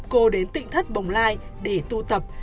cô đến tịnh thất bồng lai để tu tập